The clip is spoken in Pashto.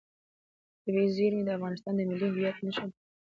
طبیعي زیرمې د افغانستان د ملي هویت نښه ده.